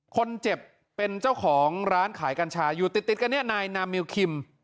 คนเจ็บเป็นเจ้าของร้านขายกัญชาอยู่ติดกันเนี่ยนายนามิวคิม